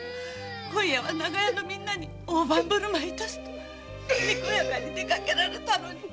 今夜は長屋のみんなに大盤振る舞いいたすとにこやかに出かけられたのに。